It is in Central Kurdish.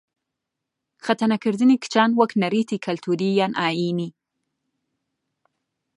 خەتەنەکردنی کچان وەک نەریتی کلتووری یان ئایینی